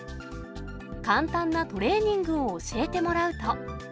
簡単なトレーニングを教えてもらうと。